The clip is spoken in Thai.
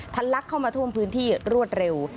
ลักเข้ามาท่วมพื้นที่รวดเร็ว